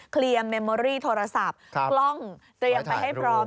เมมเมอรี่โทรศัพท์กล้องเตรียมไปให้พร้อม